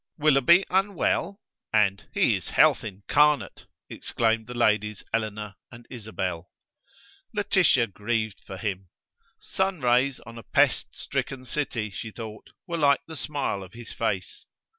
"Willoughby unwell!" and, "He is health incarnate!" exclaimed the ladies Eleanor and Isabel. Laetitia grieved for him. Sun rays on a pest stricken city, she thought, were like the smile of his face.